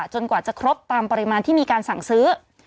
กว่าจะครบตามปริมาณที่มีการสั่งซื้อ